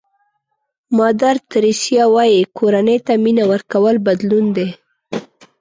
مادر تریسیا وایي کورنۍ ته مینه ورکول بدلون دی.